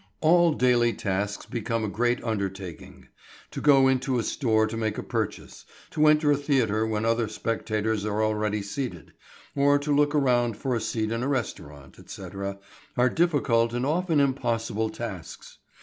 All daily tasks become a great undertaking. To go into a store to make a purchase, to enter a theatre when other spectators are already seated, or to look around for a seat in a restaurant, etc., are difficult and often impossible tasks.